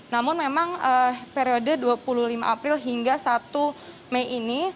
namun memang periode dua puluh lima april hingga satu mei ini